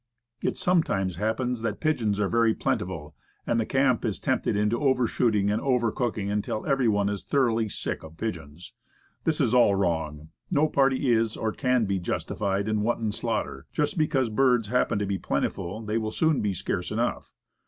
It sometimes happens that pigeons are very plenty, and the camp is tempted into over shooting and over cooking, until every one is thoroughly sick of pigeons. This is all wrong. No party is, or can be, justified in wanton slaughter, just because birds happen to be plenty; they will soon be scarce enough.